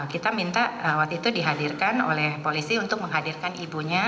kita minta waktu itu dihadirkan oleh polisi untuk menghadirkan ibunya